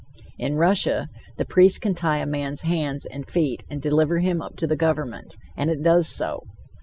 In Russia, the priest can tie a man's hands and feet and deliver him up to the government; and it does so.